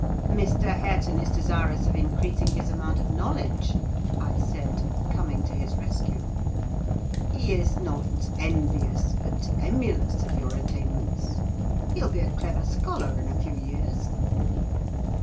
"Mr. Hareton is desirous of increasing his amount of knowledge," I said, coming to his rescue. "He is not envious, but emulous of your attainments. He'll be a clever scholar in a few years."